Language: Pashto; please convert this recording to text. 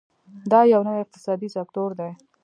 دا یو نوی اقتصادي سکتور دی.